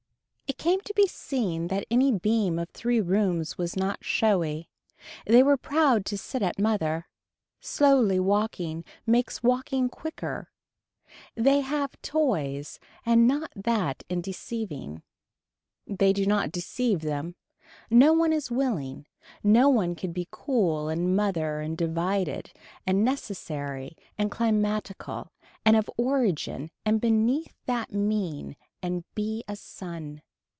It came to be seen that any beam of three rooms was not showy. They were proud to sit at mother. Slowly walking makes walking quicker. They have toys and not that in deceiving. They do not deceive them. No one is willing. No one could be cool and mother and divided and necessary and climatical and of origin and beneath that mean and be a sun.